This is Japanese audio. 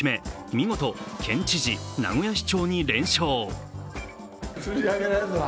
見事、県知事名古屋市長に連勝。